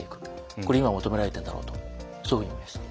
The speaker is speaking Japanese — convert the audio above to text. これ今求められてるんだろうとそういうふうに思いました。